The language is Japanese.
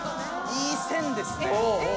いい線ですね。